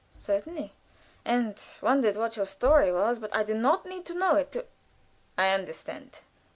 "Certainly, and wondered what your story was; but I do not need to know it to " "I understand.